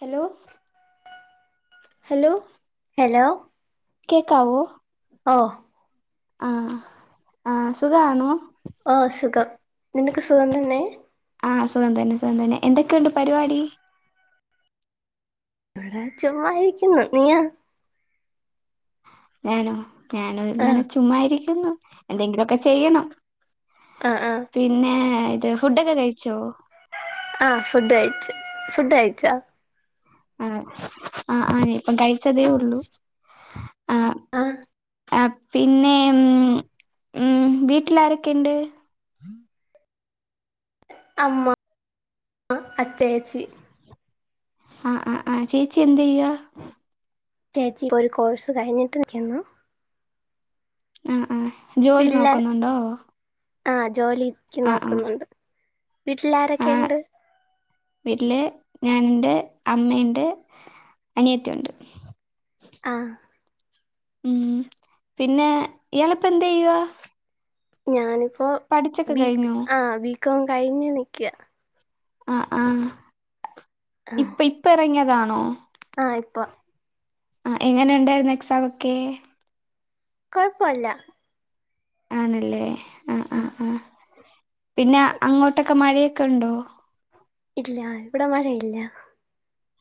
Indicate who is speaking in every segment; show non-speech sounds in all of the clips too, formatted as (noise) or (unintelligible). Speaker 1: Hello hello
Speaker 2: hello
Speaker 1: കേക്കാവോ
Speaker 2: ഓ
Speaker 1: ആഹ് ആഹ് സുഖാണോ
Speaker 2: ആ സുഖം നിനക്ക് സുഖം തന്നെ
Speaker 1: ആഹ് സുഖം തന്നെ സുഖം തന്നെ എന്തൊക്കെണ്ട് പരിപാടി
Speaker 2: ചുമ്മായിരിക്കുന്നു നീയ
Speaker 1: ഞാനോ ഞാനും
Speaker 2: ആഹ്
Speaker 1: ഇങ്ങനെ ചുമ്മാരിക്കുന്നു എന്തെങ്കിലോക്കെ ചെയ്യണം
Speaker 2: ആഹ് ആഹ്
Speaker 1: പിന്നെ ഇത് ഫുഡ് ഒക്കെ കഴിച്ചോ
Speaker 2: ആഹ് ഫുഡ് കഴിച്ചു ഫുഡ് കഴിച്ചാ
Speaker 1: ആ ആ ആ ദേ ഇപ്പം കഴിച്ചതേ ഉള്ളൂ
Speaker 2: ആഹ്
Speaker 1: ആ പിന്നെ ഉം വീട്ടിൽ ആരൊക്കെ ഇണ്ട്
Speaker 2: അമ്മ അച്ചയച്ചി
Speaker 1: ആ ആ ആ ചേച്ചി എന്ത്യ്യ
Speaker 2: ചേച്ചി ഒരു കോഴ്സ് കഴിഞ്ഞിട്ടിക്കുന്നു
Speaker 1: ആ ആ ജോലി നോക്കുന്നുണ്ടോ
Speaker 2: ആ ജോലിക്ക്
Speaker 1: ആഹ് ആഹ്
Speaker 2: നോക്കുന്നുണ്ട് വീട്ടിൽ ആരൊക്കെ
Speaker 1: ആഹ്
Speaker 2: ഇണ്ട്
Speaker 1: വീട്ടില് ഞാൻ ഇണ്ട് അമ്മേണ്ട് അനിയത്തി ഉണ്ട്
Speaker 2: ആ
Speaker 1: ഉം പിന്നെ ഇയാള് ഇപ്പ എന്ത്യ്യുവാ
Speaker 2: ഞാനിപ്പോ ബീക്ക് ആ ബീക്കോം കഴിഞ്ഞു നിക്കാ
Speaker 1: ആ ആ ഇപ്പ ഇപ്പ എറങ്ങിയതാണോ
Speaker 2: ആ ഇപ്പോ
Speaker 1: ആ എങ്ങനെ ഉണ്ടായിരുന്നു എക്സാം ഒക്കെ
Speaker 2: കൊഴപ്പല്ല
Speaker 1: ആണല്ലേ ആഹ്
Speaker 2: ആ
Speaker 1: ആഹ് ആഹ് പിന്നെ അങ്ങോട്ടൊക്കെ മഴയൊക്കെ ഉണ്ടോ
Speaker 2: ഇല്ല ഇവിടെ മഴയില്ല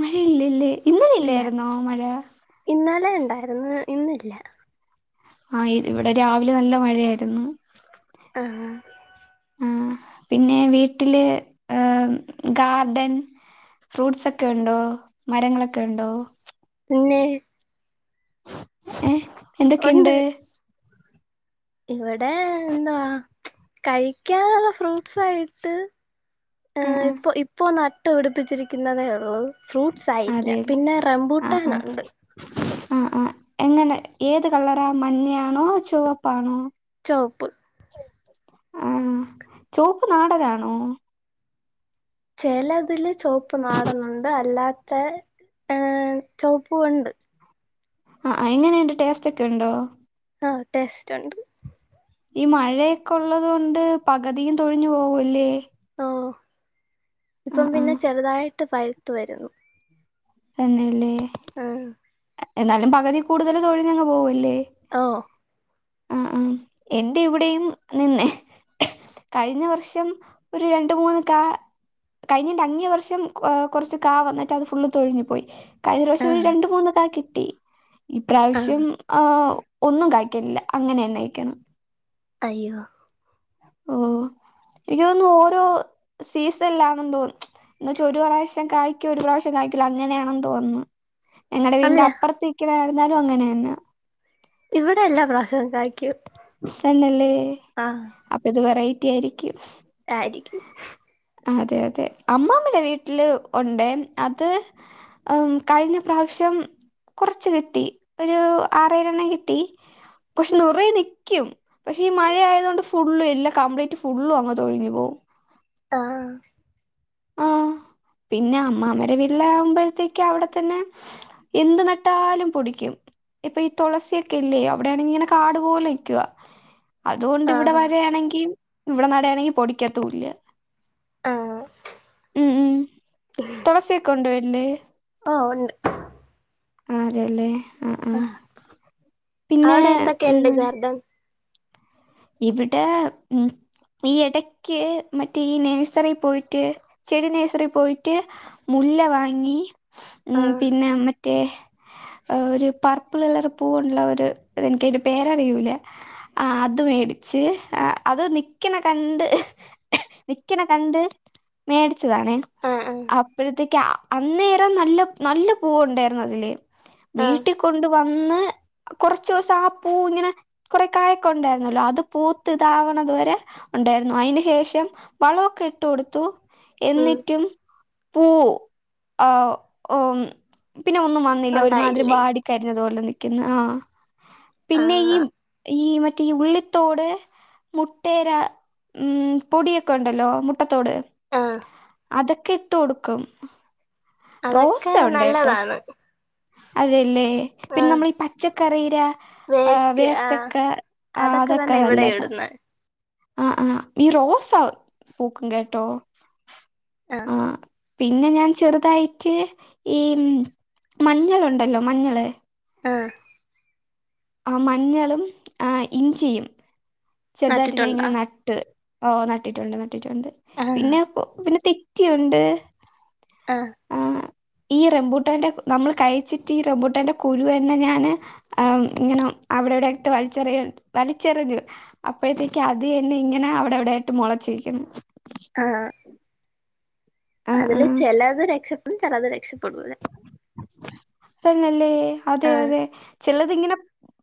Speaker 1: മഴയില്ല ഇല്ലേ ഇന്നലെ
Speaker 2: ഇല്ല
Speaker 1: ഇല്ലായിരുന്നോ മഴ
Speaker 2: ഇന്നലെ ഉണ്ടായിരുന്ന് ഇന്നില്ല
Speaker 1: ആ ഇവിടെ രാവിലെ നല്ല മഴയായിരുന്നു
Speaker 2: ആഹ
Speaker 1: ആ പിന്നെ വീട്ടില് ഉഹ് ഗാർഡൻ ഫ്രൂട്ട്സ് ഒക്കെ ഉണ്ടോ മരങ്ങളൊക്കെ ഉണ്ടോ
Speaker 2: പിന്നെ
Speaker 1: ഏ
Speaker 2: ഉണ്ട്
Speaker 1: എന്തൊക്കെയുണ്ട്
Speaker 2: ഇവിടെ എന്തുവാ കഴിക്കാനുള്ള ഫ്രൂട്ട്സ് ആയിട്ട് ആ
Speaker 1: ആഹ് ആഹ്
Speaker 2: ഇപ്പൊ ഇപ്പോ നട്ട് പിടിപ്പിച്ചിരിക്കുന്നതേ ഉള്ളൂ ഫ്രൂട്ട്സ് ആയില്ല
Speaker 1: അതെ
Speaker 2: പിന്നെ റംബൂട്ടാൻ ഉണ്ട്
Speaker 1: ആ ആ എങ്ങനെ ഏത് കളറ മഞ്ഞയാണോ ചുവപ്പാണോ
Speaker 2: ചോപ്പ്
Speaker 1: ആ ചോപ്പ് നാടനാണോ
Speaker 2: ചിലതില് ചോപ്പ് നാടനുണ്ട് അല്ലാതെ ഏ ചോപ്പുണ്ട്
Speaker 1: ആ എങ്ങനെയുണ്ട് ടേസ്റ്റ് ഒക്കെ ഉണ്ടോ
Speaker 2: ആ ടേസ്റ്റ് ഉണ്ട്
Speaker 1: ഈ മഴയൊക്കെ ഉള്ളത് കൊണ്ട് പകുതിയും തൊഴിഞ്ഞു പോവുല്ലേ
Speaker 2: അഹ് ഇപ്പം പിന്നെ
Speaker 1: ആഹ്
Speaker 2: ചെറുതായിട്ട് പഴുത്ത വരുന്നു
Speaker 1: തന്നല്ലേ
Speaker 2: ഉം
Speaker 1: എന്നാലും പകുതി കൂടുതൽ തൊഴിഞ്ഞങ് പോവുല്ലേ
Speaker 2: അഹ്
Speaker 1: ആ ആ എന്റെ ഇവിടെയും നിന്നെ കഴിഞ്ഞ വർഷം ഒരു രണ്ടു മൂന്ന് കാ കഴിഞ്ഞിന്റെ അങ്ങേ വർഷം കുറച്ച് കാ വന്നിട്ട് അത് ഫുള്ള് തൊഴിഞ്ഞു പോയി കഴിഞ്ഞ പ്രാവശ്യം ഒരു
Speaker 2: ആഹ്
Speaker 1: രണ്ട് മൂന്ന് ക കിട്ടി ഈ
Speaker 2: ആഹ്
Speaker 1: പ്രാവശ്യം ഓ ഒന്നും കഴ്ക്കലില്ല അങ്ങനെന്നയിക്കണം
Speaker 2: അയ്യോ
Speaker 1: ഓ എനിക്ക് തോന്നുന്നു ഓരോ സീസണിലാണ് തോന്നും എന്നുവച്ചാ ഒരു പ്രാവശം കായ്ക്കു ഒരു പ്രാവശ്യം കായ്കുല അങ്ങനെയാണെന്ന് തോന്നുന്നു ഞങ്ങളടെ
Speaker 2: അല്ല
Speaker 1: വീടിന്റെ അപ്പുറത്തേക്കലായിരുന്നാലും അങ്ങനെ തന്നെ
Speaker 2: ഇവിടെ എല്ലാം പ്രാവിശ്യം കഴിക്കും
Speaker 1: തന്നല്ലേ
Speaker 2: ആഹ്
Speaker 1: അപ്പൊ ഇത് വെറൈറ്റി ആയിരിക്കും
Speaker 2: താഗി
Speaker 1: അതെ അതെ അമ്മമടെ വീട്ടിൽ ഉണ്ട് അത് ഉം കഴിഞ്ഞ പ്രാവശ്യം ഉം കൊറച്ച് കിട്ടി ഒരു ആറേഴണ്ണം കിട്ടി പക്ഷെ നിറെ നിക്കും പക്ഷെ ഈ മഴ ആയത് കൊണ്ട് ഫുള്ളും എല്ലാം കംപ്ലീറ്റ് ഫുള്ളും അങ്ങ് തൊഴങ്ങി പോവും (unintelligible)
Speaker 2: ആഹ്
Speaker 1: ആഹ് പിന്നെ അമ്മാമരെ വീല്ല ആകുമ്പോഴത്തേക്ക് അവിടെ തന്നെ എന്ത് നട്ടാലും പൊടിക്കും ഇപ്പൊ ഈ തുളസിയൊക്കെ ഇല്ലേ അവിടെയാണെങ്കി ഇങ്ങനെ കാട് പോലെ നിക്കുവ അതുകൊണ്ട് ഇവിടെ
Speaker 2: ആഹ്
Speaker 1: വരയാണെങ്കി ഇവിടെ നടയാണെങ്കും പൊടിക്കാത്തു ഇല്ല
Speaker 2: ആഹ്
Speaker 1: ഉം ഉം തുളസിയെക്കൊണ്ടൊ വീട്ടില്
Speaker 2: ആ ഉണ്ട്
Speaker 1: അതെല്ലെ
Speaker 2: ആ അവിടെ എന്തൊക്കെയുണ്ട്
Speaker 1: ഉം
Speaker 2: ഗാർഡൻ
Speaker 1: ഇവിടെ ഉം ഈ ഇടക്ക് മറ്റേ ഈ നേഴ്സറി പോയിട്ട് ചെടി നേഴ്സറി പോയിട്ട് മു ല്ല വാങ്ങി ഉം
Speaker 2: ആഹ്
Speaker 1: പിന്നെ മറ്റേ ഒരു പർപ്പിള കളർപൂവുള്ള ഒരു എനിക്ക്തിന്റെ പേരറിയൂല്ലആ അത് മേടിച്ച് അത നിക്കനെ കണ്ട് നിക്കനെ കണ്ട് മേടി ച്ചതണെ
Speaker 2: ആഹ് ആഹ്
Speaker 1: അപ്പഴത്തേക്ക് അന്നേരനല്ല നല്ല പൂവൊണ്ടായിരുന്നു അതില്
Speaker 2: ആഹ്
Speaker 1: വീട്ടി കൊണ്ട് വന്ന് കൊറചൂസം ആ പ്പൂ ഇങ്ങനെ കൊറെ കായൊക്കെണ്ടായി ന്നല്ലോ അത് പൂത്ത് ഇതാവണതുവരെ ഉണ്ടായിരുന്നു അയിന് ശേഷം വളൊക്കെഇട്ടു ടുത്തു
Speaker 2: ഉം
Speaker 1: എന്നിട്ടും പൂ ആ എം പിന്നൊന്നും വന്നില്ലാ ഒരുമാതിരി
Speaker 2: ഉണ്ടായില്ലേ
Speaker 1: വാടി കരിഞ്ഞതുപോലെ നിൽക്കുന്ന ആ പിന്നെ ഈ
Speaker 2: ആഹ്
Speaker 1: ഈ മ മറ്റേ ഉള്ളിത്തോട് മുട്ടേട ഉം പൊടിയൊക്കെ ഉണ്ടല്ലോ മുട്ടത്തോട്
Speaker 2: ആഹ്
Speaker 1: അതൊക്കെ ഇട്ടുകൊടുക്കും റോസ
Speaker 2: അതൊക്കെ
Speaker 1: ഉണ്ടേട്ടോ
Speaker 2: നല്ലതാണ്
Speaker 1: അതെല്ലേ പിന്നെ
Speaker 2: ആഹ്
Speaker 1: നമ്മളീ പച്ചക്കറിട ആ
Speaker 2: വേസ്റ്റ് ആഹ്
Speaker 1: വേസ്റ്റോക്കെ
Speaker 2: അതൊക്കെ തന്നെ ഇവിടേം ഇടന്നെ
Speaker 1: ആ ആഹ് ഈ റോസ പൂക്കും കേട്ടോ.
Speaker 2: ആഹ്
Speaker 1: പിന്നെ ഞാൻ ചെറുതായിട്ട് ഈ മഞ്ഞളുണ്ടല്ലോ മഞ്ഞള്
Speaker 2: ആഹ്
Speaker 1: ആ മഞ്ഞളും ആ ഇഞ്ചിയും, ചെറുതായിട്ട്
Speaker 2: നട്ടിട്ടുണ്ടോ
Speaker 1: ഞാങ്ങനെ നട്ട് ഓ നട്ടിട്ടുണ്ട് നട്ടിട്ടുണ്ട്
Speaker 2: ആഹ്
Speaker 1: പിന്നെ പിന്നെ തെറ്റിയുണ്ട്
Speaker 2: ആഹ്
Speaker 1: ആ ഈ റെംബൂട്ടാന്റെ ക്ക് നമ്മൾ കഴിച്ചിട്ട് ഈ റെംബൂട്ടാന്റെ കുരുന്നെ ഞാന് ഇങ്ങനെ അവിടവിടെവിടായിട്ട് വലിച്ചെറിയവലിച്ചെറിഞ്ഞു അപ്പോഴത്തേക്ക് അത് യെന്നെ ഇങ്ങനെ, അവിടെവിടെ ട്ട് മുളച്ചക്കുന്നു
Speaker 2: ആഹ
Speaker 1: ആ ആ
Speaker 2: അതില് ചെലത് രക്ഷപ്പെടും ചെലത് രക്ഷപ്പെടുംല്ലാ
Speaker 1: തെന്നെല്ലെ അതെ
Speaker 2: ആഹ്
Speaker 1: അതെ ചല്ലതിങ്ങനെ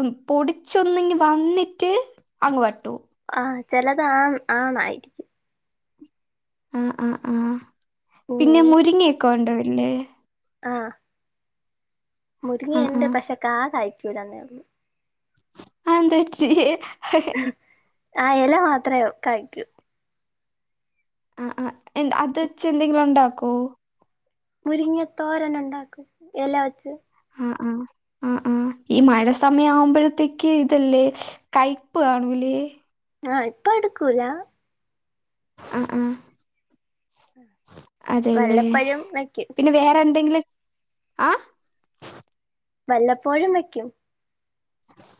Speaker 1: ഉം പൊടിച്ചൊന്നിങ്ങ് വന്നിട്ട് അങ്ങ് വട്ടു
Speaker 2: ആഹ് ചെലത് ആ ആണായിരിക്കും.
Speaker 1: ആഹ ആഹ് ആഹ പിന്നെ
Speaker 2: ഉം
Speaker 1: മുരിങ്ങയൊക്കെ ഒണ്ടോ വീട്ടില്
Speaker 2: ആഹ്
Speaker 1: ആ ആ
Speaker 2: മുരിങ്ങിയണ്ട്, പക്ഷെ, ക്ക, കായ്ക്കൂലന്നേള്ളൂ.
Speaker 1: അ, എന്തു റ്റി, ഹഹി
Speaker 2: ആ, എല മാത്രെ കായ്ക്കൂ.
Speaker 1: ആ, ആ, എ അത് വെച്ച് എന്തെങ്കിലും, ഉണ്ടാക്കോ.
Speaker 2: മുരിങ്ങ, ത്തോരനുണ്ടാക്കും, എല, വച്ച്
Speaker 1: അ, അ, ആ, അ. ആ, ഈ മഴ, സമയാവുമ്പോഴത്തേക്ക്, ഇതല്ലേ, കയ്പ്പ് കാണൂലേ
Speaker 2: ആഹ, ഇപ്പ, എടുക്കൂല
Speaker 1: അ, ആ. അതെ, ല്ലേ,
Speaker 2: വല്ലപ്പഴും വെക്കും
Speaker 1: പിന്നെ, വേറെ, എന്തെങ്കിലും ആ
Speaker 2: വല്ലപ്പോഴും, വെക്കും.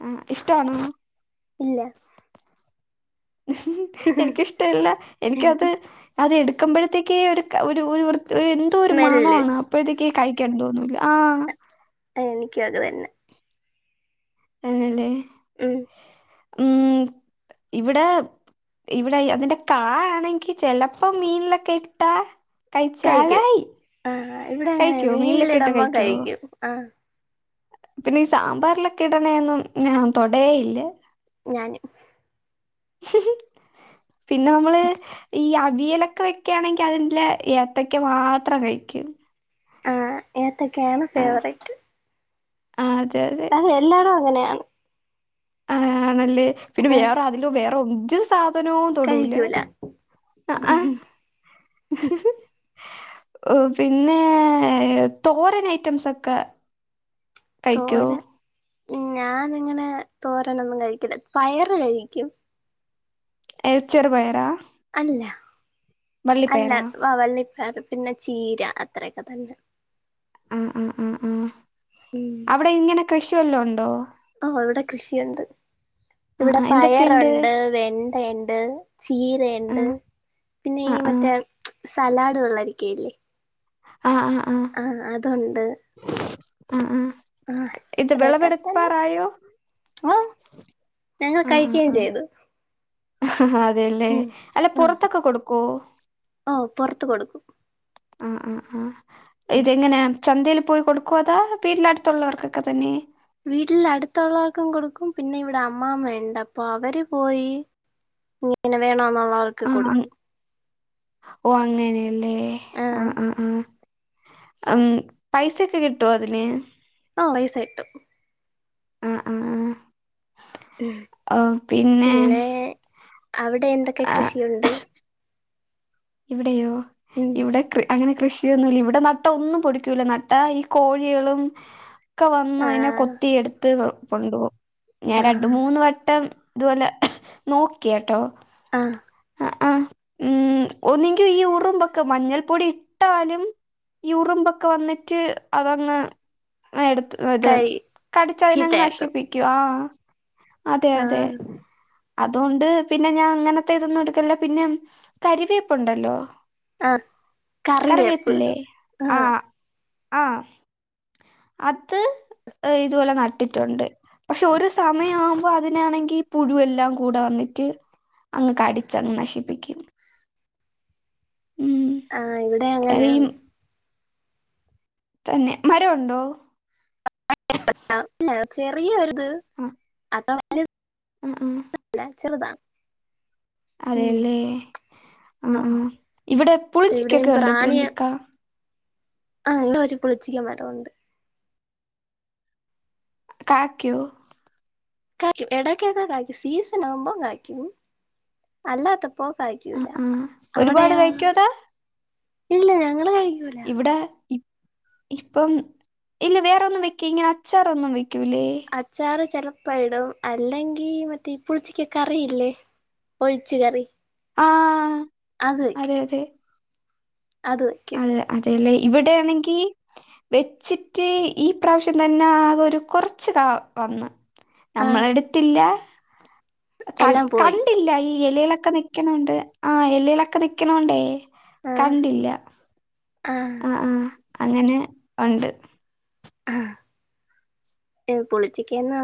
Speaker 1: ആഹ, ഇഷ്ട്ടാണോ.
Speaker 2: ഇല്ല.
Speaker 1: ഉം ഹ്, എനിക്കിഷ്ടല്ല എനിക്കത് അത് എടുക്കുമ്പോഴത്തേക്കേ ഒരു, ഒരു ഒരു വൃ ഒരു, എന്തോ,
Speaker 2: സ്മെല്ല്
Speaker 1: ഒരുമണാണ്, അപ്പോഴത്തേക്ക് കഴിക്കാതോന്നൂല, ആ
Speaker 2: എനിക്കും, അത്, തന്നെ.
Speaker 1: ആണല്ലേ
Speaker 2: ഉം
Speaker 1: ഉം ഇവിടെ ഇവിടെ അതിന്റെ കായ ആണെങ്കി ചെലപ്പോ മീനിലൊക്കെ ഇട്ടാ
Speaker 2: കഴിക്കും
Speaker 1: കഴിച്ചാലായി
Speaker 2: ആഹ് ഇവിടെ അങ്ങനെ
Speaker 1: കഴിക്കോ മീലൊക്കെ ഇട്ട
Speaker 2: മീനിലിടുമ്പം
Speaker 1: കഴിക്കോ
Speaker 2: കഴിക്കും ആഹ്
Speaker 1: പിന്നെ ഈ സാമ്പാറിലൊക്കെ ഇടണൊന്നും ഞൻ തൊടയേയില്ല
Speaker 2: ഞാന്
Speaker 1: (unintelligible) പിന്നെ നമ്മള് ഈ അവിയലൊക്കെ വെക്കയാണെങ്കിൽ അതിന്റെ ഏത്തേക്ക മാത്രം കഴിക്കും ഓക്ക (inaudible)
Speaker 2: ആഹ ഏത്തൊക്കെയാണ് ഫേവററ്റ്
Speaker 1: ആഹ് അതെ
Speaker 2: അതെ എല്ലാടും അങ്ങനെയാണ്
Speaker 1: ആ ആണല്ലേ പിന്നെ
Speaker 2: ഉം
Speaker 1: വേറെ ആരേലും വേറെ ഒരു സാധന നോ തൊടൂല
Speaker 2: കഴിക്കൂല
Speaker 1: ഓ പിന്നെ തോരൻ ഐറ്റംസ് ഒക്കെ കഴിക്കോ
Speaker 2: ഉ ഞാനിങ്ങനെ തോരനൊന്നും കഴിക്കില്ല പയറ് കഴിക്കും
Speaker 1: എ ചെറുപയറ
Speaker 2: അല്ല അല്ല വ വള്ളിപ്പാറ് പിന്നെ ചീര അത്രയൊക്കെ തന്നെ
Speaker 1: ഉം ഉം ഉം ഉം അവിടെ ഇങ്ങനെ കൃഷി വെല്ലോയുണ്ടോ
Speaker 2: അവിടെ കൃഷിയുണ്ട് ഇവിടെ കൃഷിയുണ്ട് ഇവിടെ
Speaker 1: ആഹ് എന്തൊക്കെയുണ്ട്
Speaker 2: പയറുണ്ട് വെ ട്ട ഉണ്ട് ചീരുണ്ട്
Speaker 1: ആഹ്
Speaker 2: പിന്നെ
Speaker 1: ആഹ്
Speaker 2: ഈ
Speaker 1: ആഹ്
Speaker 2: മറ്റേ സലാഡ് വള്ളരിക്കല്ലേ
Speaker 1: ആഹ ആ
Speaker 2: ആഹ അതുണ്ട്
Speaker 1: ആ ആ
Speaker 2: ആഹ അത്രക്കാതെന്നെ ആഹ ഞങ്ങൾ കഴിക്കുകയും ചെയ്തു
Speaker 1: ആ അതെയല്ലേ
Speaker 2: ഉം
Speaker 1: അല്ല
Speaker 2: ആഹ്
Speaker 1: പുറത്തൊക്കെ കൊടുക്കോ
Speaker 2: ഓഹ് പുറത്ത് കൊടുക്കും
Speaker 1: ആ ആ ആ ഇതെങ്ങനെ ചന്തൽ പോയി കൊടുക്കോ അതാ വീട്ടിലടുത്തുള്ളവർക്കൊക്കെ തന്നെ
Speaker 2: വീട്ടിൽ അടുത്തുള്ളവർക്കും കൊടുക്കും പിന്നെ ഇവിടെ അമ്മാമ്മ ഉണ്ട് അപ്പൊ അവര് പോയി
Speaker 1: (inaudible)
Speaker 2: പിന്നെ വേണോ എന്നുള്ളവർക്ക്
Speaker 1: ആഹ്
Speaker 2: കൊടുക്കും
Speaker 1: ഓ അങ്ങനെയല്ലേ ആ
Speaker 2: ആഹ്
Speaker 1: ആ ആ ഉം പൈസൊക്കെ കിട്ടുവോ അതിന്
Speaker 2: ഓ പൈസ കിട്ടും
Speaker 1: ആ ആ
Speaker 2: ഉം പിന്നെ അവിടെ എന്തൊക്കെ
Speaker 1: ആ
Speaker 2: കൃഷിയുണ്ട്
Speaker 1: ഇവിടെയോ
Speaker 2: ഉം
Speaker 1: ഇവിടെ കൃ അങ്ങനെ കൃഷിയൊന്നുല്ല ഇവിടെ നട്ട ഒന്നും പൊടിക്കൂല നട്ട ഈ കോഴികളും ഒക്കെ വന്ന് അതിനെ
Speaker 2: ആഹ്
Speaker 1: കൊത്തി എടുത്ത് കൊണ്ടുപോകും ഞാൻ രണ്ട്
Speaker 2: ആഹ്
Speaker 1: മൂന്ന് വട്ടം അതുപോലെ നോക്കി കേട്ടോ
Speaker 2: ആ
Speaker 1: ആ ഉം ഒന്നെങ്കും ഈ ഉറുമ്പൊക്കെ മഞ്ഞൾപ്പൊടി ഇട്ടാലും യൂറുമ്പൊക്കെ വന്നിട്ട് അതങ് എടുത്ത് ഇത്
Speaker 2: കഴി
Speaker 1: കടിച്ചതിനങ്ങ്
Speaker 2: ചീത്തയാക്കും
Speaker 1: നശിപ്പിക്കു ആ അതെ അതെ
Speaker 2: ആഹ്
Speaker 1: അതൊണ്ട് പിന്നെ ഞാൻ അങ്ങനത്തെ ഇതൊന്നും എടുക്കല്ല പിന്നെ കരിവേപ്പുണ്ടല്ലോ
Speaker 2: ആഹ് കറിവേപ്പ്
Speaker 1: കറിവേപ്പില്ലേ ആ
Speaker 2: ആഹ്
Speaker 1: ആ അത് ഇതുപോലെ നട്ടിട്ടുണ്ട് പക്ഷെ ഒരു സമയംമാവുമ്പോ അതിനാണെങ്കി ഈ പുഴുവെല്ലാം കൂടെ വന്നിട്ട് അങ്ങ് കടിച്ചങ്ങ് നശിപ്പിക്കും ഉം
Speaker 2: ആ ഇവിടെ
Speaker 1: ഈ
Speaker 2: അങ്ങനെയാണ്
Speaker 1: തന്നെ മരംമുണ്ടോ
Speaker 2: (inaudible) ഇല്ല ചെറിയൊരിത്
Speaker 1: ആ ആ ആ
Speaker 2: (inaudible) ചെറുതാ
Speaker 1: അതല്ലേ ആ ആ
Speaker 2: ഓഹ്
Speaker 1: ഇവിടെ പുളിഞ്ചിക്കൊക്കെ ഉണ്ടോ പുളിഞ്ചിക്ക
Speaker 2: ആല്ല ഒരു പുളിച്ചിക മരം ഉണ്ട്
Speaker 1: കാക്കയു
Speaker 2: കാക്കും ഇടകൊക്കോ കായ്ക്കും സീസൺ ആകുമ്പോം കായ്ക്കും അല്ലാത്ത പോ
Speaker 1: ആ
Speaker 2: കഴിക്കൂല
Speaker 1: ആ ഒരുപാട്
Speaker 2: അവിടെയോ
Speaker 1: കഴിക്കോ അതാ
Speaker 2: ഇല്ല ഞങ്ങള് കയി
Speaker 1: ഇവിടെ ഇ ഇപ്പം ഇല്ല വേറെന്നും വെക്ക ഇങ്ങനെ അച്ചാറൊന്നും വെ
Speaker 2: അച്ചാർ ചെലപ്പയിടും അല്ലെങ്കി മറ്റേ ഈ പുളിച്ചിക്ക കറിയില്ലേ ഒഴിച്ച് കറി
Speaker 1: ആ
Speaker 2: അത് വെക്കും
Speaker 1: അതെ അതെ
Speaker 2: അത് വയ്ക്കും
Speaker 1: ഇവിടെയാണെങ്കിൽ വെച്ചിട്ട് ഈ പ്രാവശ്യം തന്നെ ആകെ ഒരു കുറച്ച് കാ വന്ന്
Speaker 2: ആഹ്
Speaker 1: നമ്മള് എടുത്തില്ല ക
Speaker 2: എല്ലാം പോയി
Speaker 1: കണ്ടില്ല ഈ എലലൊക്കെ നിക്കണണ്ട് ആ എലയിലൊക്കെ നിക്കണണ്ടേ
Speaker 2: ആഹ്
Speaker 1: കണ്ടില്ല
Speaker 2: ആഹ്
Speaker 1: ആ ആ അങ്ങനെ ഉണ്ട്
Speaker 2: ആ പുളിച്ചിക്കന്ന